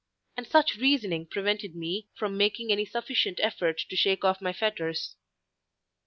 And such reasoning prevented me from making any sufficient effort to shake off my fetters.